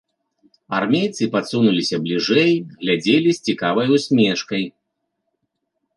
Армейцы падсунуліся бліжэй, глядзелі з цікавай усмешкай.